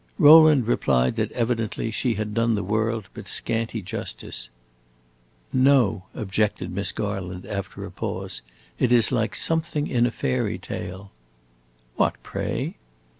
Rowland replied that, evidently, she had done the world but scanty justice. "No," objected Miss Garland, after a pause, "it is like something in a fairy tale." "What, pray?"